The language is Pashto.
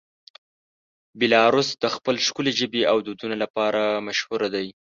بیلاروس د خپل ښکلې ژبې او دودونو لپاره مشهوره دی.